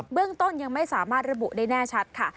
เรื่องต้นยังไม่สามารถระบุได้แน่ชัดค่ะ